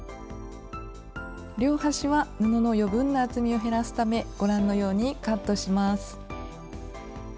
両端は布の余分な厚みを減らすためご覧のようにカットします。